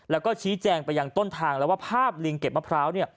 แล้วก็ชี้แจงไปยังต้นทางแล้วว่าภาพลิงเก็บมะพร้าวเนี่ย